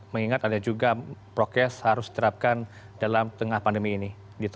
mengingat ada juga prokes harus diterapkan dalam tengah pandemi ini